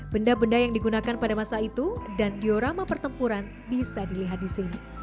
benda benda yang digunakan pada masa itu dan diorama pertempuran bisa dilihat di sini